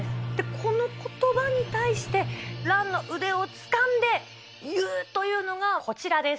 このことばに対して、蘭の腕をつかんで、言うというのがこちらです。